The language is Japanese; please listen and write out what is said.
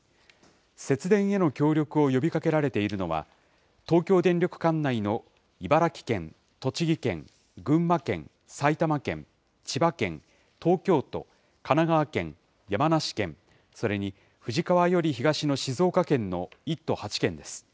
節電への協力を呼びかけられているのは、東京電力管内の茨城県、栃木県、群馬県、埼玉県、千葉県、東京都、神奈川県、山梨県、それに富士川より東の静岡県の１都６県です。